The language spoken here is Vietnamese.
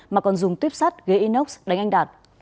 mà còn dùng tuyếp sắt ghế inox đánh anh đạt